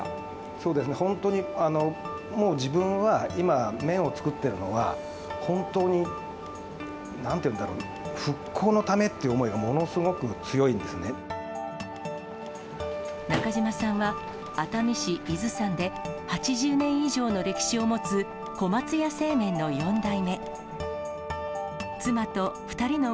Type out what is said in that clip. そうですね、本当にもう自分は、今、麺を作っているのは、本当になんていうんだろう、復興のためっていう思いが、中島さんは、熱海市伊豆山で、８０年以上の歴史を持つコマツ屋製麺の４代目。